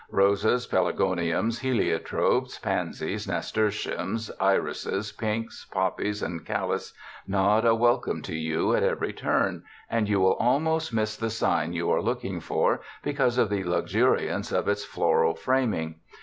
Roses, pelargoniums, heliotropes, pan sies, nasturtiums, irises, pinks, poppies and callas nod a welcome to you at every turn, and you will almost miss the sign you are looking for, because of the luxuriance of its floral framing.